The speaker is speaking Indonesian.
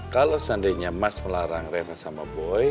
kalau seandainya emas melarang reva sama boy